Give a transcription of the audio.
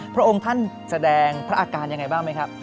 พระองค์ท่านแสดงพระอาการยังไงบ้างไหมครับ